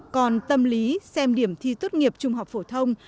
còn tâm lý xem điểm thi tốt nghiệp trung học phổ thông